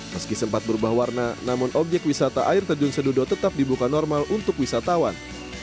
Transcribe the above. meski sempat berubah warna namun objek wisata air terjun sedudo tetap dibuka normal untuk wisatawan